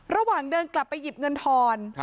ระหว่างเดินกลับไปหยิบเงินทอน